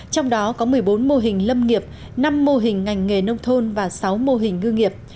trong đó có một mươi bốn mô hình lâm nghiệp năm mô hình ngành nghề nông thôn và sáu mô hình ngư nghiệp